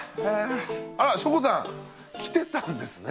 あっしょこたん来てたんですね。